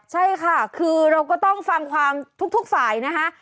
ใช่ค่ะคือเราก็ต้องฟังความทุกฝ่ายนะคะ